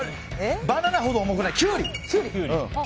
バナナほど重くないからキュウリ。